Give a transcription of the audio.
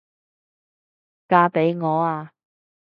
嫁畀我吖？